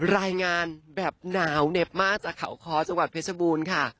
รายงานแบบหนาวเหน็บมากจากเขาคอจังหวัดเพชรบูรณ์ค่ะ